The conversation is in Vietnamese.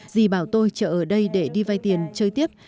dì bảo tôi chở ở đây để đi vay tiền chơi tiếp